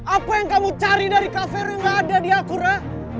apa yang kamu cari dari kak fero yang gak ada di aku ra